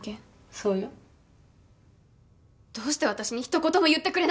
そうよ。どうして私にひと言も言ってくれなかったの？